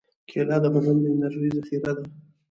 کېله د بدن د انرژۍ ذخیره ده.